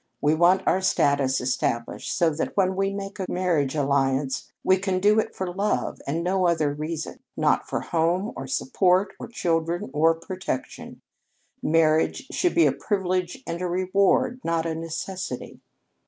We want our status established, so that when we make a marriage alliance we can do it for love and no other reason not for a home, or support, or children or protection. Marriage should be a privilege and a reward not a necessity.